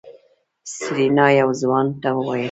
سېرېنا يو ځوان ته وويل.